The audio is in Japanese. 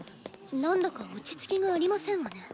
なんだか落ち着きがありませんわね。